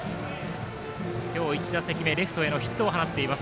今日１打席目レフトへのヒットを放っています。